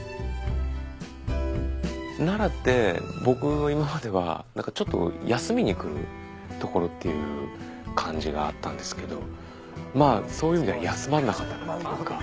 奈良って僕今まではちょっと休みに来る所っていう感じがあったんですけどそういう意味では休まらなかったなっていうか。